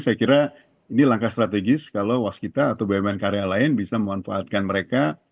saya kira ini langkah strategis kalau waskita atau bumn karya lain bisa memanfaatkan mereka